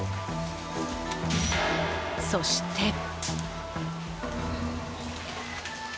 そして。